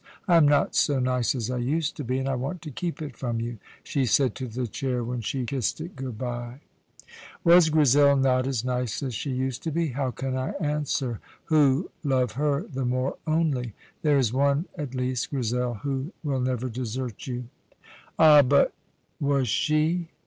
"I am not so nice as I used to be, and I want to keep it from you," she said to the chair when she kissed it good bye. Was Grizel not as nice as she used to be? How can I answer, who love her the more only? There is one at least, Grizel, who will never desert you. Ah, but was she?